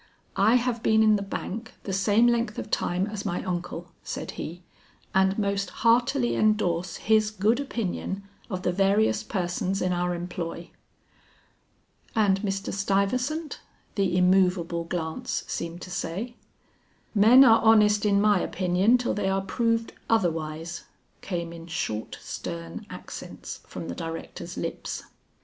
"I have been in the bank the same length of time as my uncle," said he, "and most heartily endorse his good opinion of the various persons in our employ." "And Mr. Stuyvesant?" the immovable glance seemed to say. "Men are honest in my opinion till they are proved otherwise," came in short stern accents from the director's lips.